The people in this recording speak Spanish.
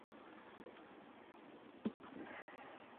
Casado, con tres hijos.